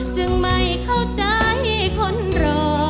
จึงไม่เข้าใจคนรอ